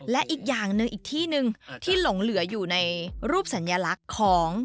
และอีกอย่างหนึ่งอีกที่หนึ่งที่หลงเหลืออยู่ในรูปสัญลักษณ์ของ